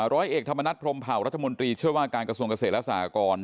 ร้อยเอกธรรมนัฐพรมเผารัฐมนตรีช่วยว่าการกระทรวงเกษตรและสหกร